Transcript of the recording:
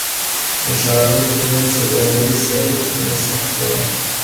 د ښارونو تر منځ د سوداګرۍ سیالي څومره سخته وه؟